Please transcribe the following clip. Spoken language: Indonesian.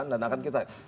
dan akan kita